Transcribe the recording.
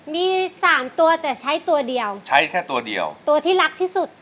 มีสามตัวแต่ใช้ตัวเดียวใช้แค่ตัวเดียวตัวที่รักที่สุด